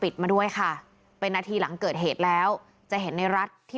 มาด้วยค่ะเป็นนาทีหลังเกิดเหตุแล้วจะเห็นในรัฐที่